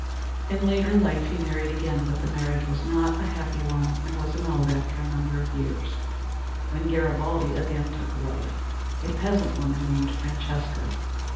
In later life he married again but the marriage was not a happy one and was annulled after a number of years, when Garibaldi again took a wife, a peasant woman named Francesca.